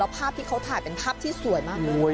ภาพที่เขาถ่ายเป็นภาพที่สวยมากเลย